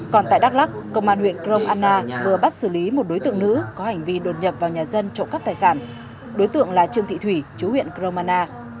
còn tại đắk lắk công an huyện crom anna vừa bắt xử lý một đối tượng nữ có hành vi đột nhập vào nhà dân trộm cắp tài sản đối tượng là trương thị thủy chú huyện crom anna